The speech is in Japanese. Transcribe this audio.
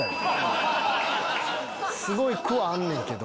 すごくはあんねんけど。